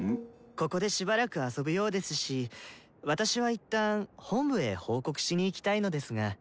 ここでしばらく遊ぶようですし私は一旦本部へ報告しに行きたいのですが。